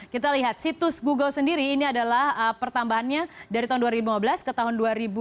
kita lihat situs google sendiri ini adalah pertambahannya dari tahun dua ribu lima belas ke tahun dua ribu dua puluh